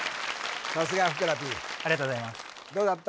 さすがふくらＰありがとうございますどうだった？